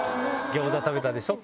ギョーザ食べたでしょ？